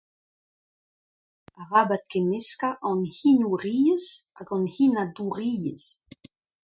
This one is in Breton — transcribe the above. Arabat kemmeskañ an hinouriezh gant an hinadouriezh.